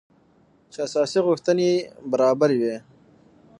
چې اساسي غوښتنې يې برابري وه .